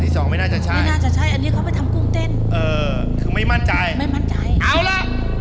ครูเตรชไม่นานจะใช้อันนี้เข้าไปทำกรุ้งเต้นเออคือไม่มั่นใจไม่มั่นใจเอาระ